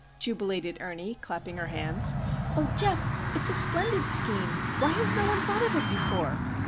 jubilated Ernie, clapping her hands. "Oh, Geof, it's a splendid scheme! Why has no one thought of it before?"